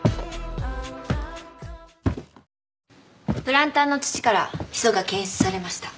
プランターの土からヒ素が検出されました。